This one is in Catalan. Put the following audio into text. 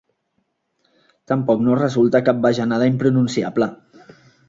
Tampoc no resulta cap bajanada impronunciable.